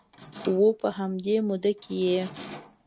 و په همدې موده کې یې